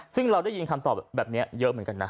ซึ่งเราได้ยินคำตอบแบบนี้เยอะเหมือนกันนะ